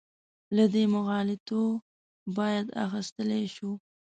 له دې مغالطو باید اخیستلی شو.